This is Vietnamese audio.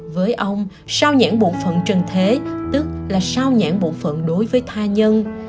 với ông sao nhãn bộ phận trần thế tức là sao nhãn bộ phận đối với tha nhân